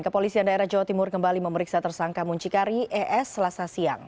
kepolisian daerah jawa timur kembali memeriksa tersangka muncikari es selasa siang